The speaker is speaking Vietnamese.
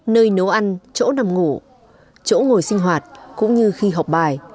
nơi nấu ăn chỗ nằm ngủ chỗ ngồi sinh hoạt cũng như khi học bài